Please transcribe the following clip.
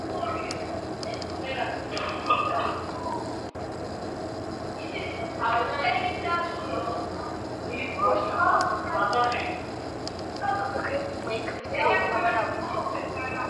ჰავა მშრალი სუბტროპიკულია.